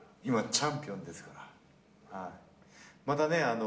今チャンピオンですから。